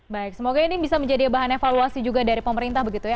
baik semoga ini bisa menjadi bahan evaluasi juga dari pemerintah begitu ya